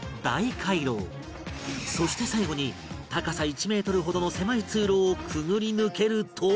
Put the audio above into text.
そして最後に高さ１メートルほどの狭い通路をくぐり抜けると